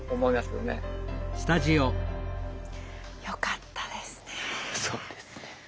よかったですね。